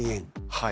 はい。